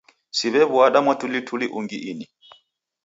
Siw'ew'uada mwatulituli ungi ini